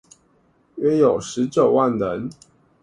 約有十九萬人